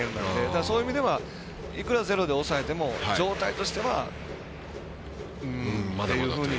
そういう意味ではいくらゼロで抑えても状態としてはうーんというふうに。